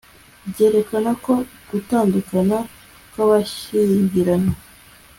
ryerekana ko gutandukana kw'abashyingiranywe